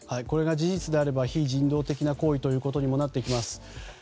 これが事実であれば非人道的な行為ともなってきます。